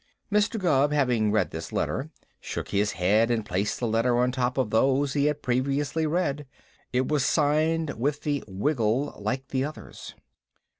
Mr. Gubb, having read this letter, shook his head and placed the letter on top of those he had previously read. It was signed with the wiggle like the others.